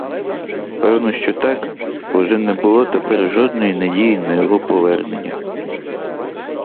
Певно, що так, бо вже не було тепер жодної надії на його повернення.